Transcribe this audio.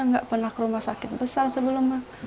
nggak pernah ke rumah sakit besar sebelumnya